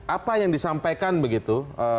apa yang disampaikan begitu